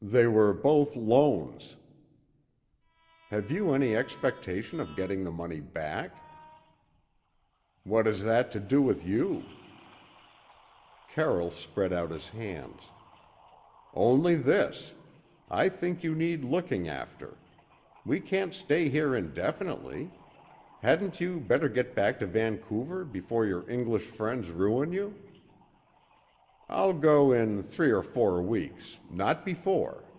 "They were both loans." "Have you any expectation of getting the money back?" "What has that to do with you?" Carroll spread out his hands. "Only this I think you need looking after. We can't stay here indefinitely. Hadn't you better get back to Vancouver before your English friends ruin you?" "I'll go in three or four weeks, not before."